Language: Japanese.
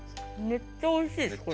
めっちゃおいしい。